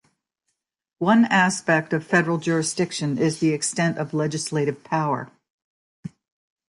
One aspect of federal jurisdiction is the extent of legislative power.